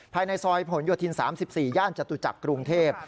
ภายในซอยผลโยธิน๓๔ย่านจตุจักรกรุงเทพ